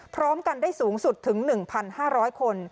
พร้อมกันได้สูงสุดถึง๑๕๐๐คน